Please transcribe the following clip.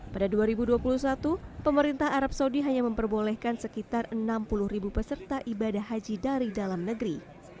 pada dua ribu dua puluh satu pemerintah arab saudi hanya memperbolehkan sekitar enam puluh ribu peserta ibadah haji dari dalam negeri